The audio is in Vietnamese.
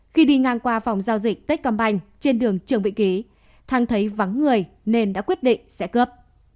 khi đi ngang qua phòng giao dịch tết công banh trên đường trường vị ký thăng thấy vắng người nên đã quyết định sẽ cướp